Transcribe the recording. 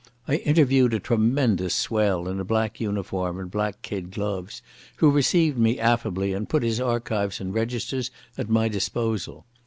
I interviewed a tremendous swell in a black uniform and black kid gloves, who received me affably and put his archives and registers at my disposal.